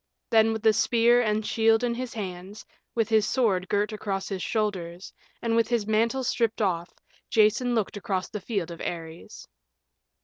Then with the spear and shield in his hands, with his sword girt across his shoulders, and with his mantle stripped off, Jason looked across the field of Ares.